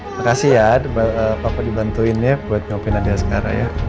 makasih ya papa dibantuin ya buat ngopiin andia sekarang ya